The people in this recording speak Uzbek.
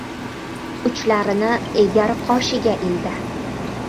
Uchlarini egar qoshiga ildi.